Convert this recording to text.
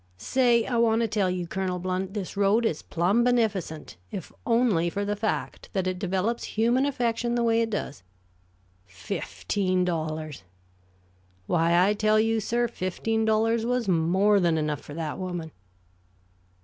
Say, I want to tell you, Colonel Blount, this road is plumb beneficent, if only for the fact that it develops human affection the way it does. Fifteen dollars! Why, I tell you, sir, fifteen dollars was more than enough for that woman."